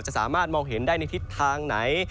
สามารถมองเห็นได้ในทิศทางไหน